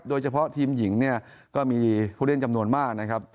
โดยเฉพาะทีมหญิงเนี่ยก็มีผู้เล่นจำนวนมากนะครับ